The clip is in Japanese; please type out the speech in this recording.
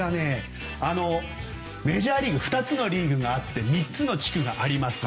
メジャーリーグ２つのリーグがあって３つの地区があります。